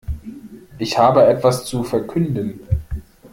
Ich habe etwas zu verkünden.